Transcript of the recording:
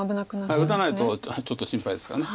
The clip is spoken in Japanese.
打たないとちょっと心配ですから。